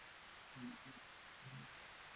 我才是姊姊啦！